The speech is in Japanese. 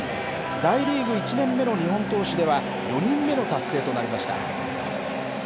大リーグ１年目の日本投手では４人目の達成となりました。